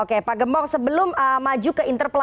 oke pak gembong sebelum maju ke interpelasi